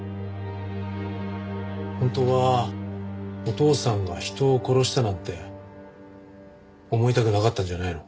本当はお父さんが人を殺したなんて思いたくなかったんじゃないの？